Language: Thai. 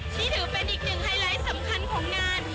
ที่ถือเป็นอีกหนึ่งไฮไลท์สำคัญของงาน